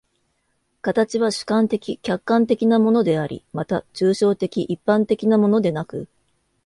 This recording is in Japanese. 形は主観的・客観的なものであり、また抽象的一般的なものでなく、